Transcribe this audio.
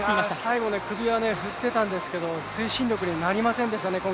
最後首は振っていないんですけれども、推進力に今回なりませんでしたね。